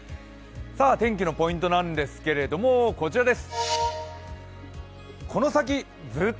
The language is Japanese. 天気のポイントなんですがこちらです。